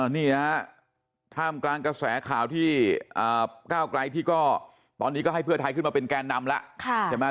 นี่ฮะท่ามกลางกระแสข่าวที่ก้าวไกลที่ก็ตอนนี้ก็ให้เพื่อไทยขึ้นมาเป็นแกนนำแล้วใช่ไหม